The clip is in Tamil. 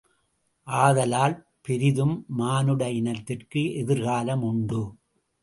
ஆதலால், பெரிதும் மானுட இனத்திற்கு எதிர்காலம் உண்டு.